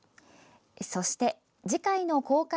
そして次回の公開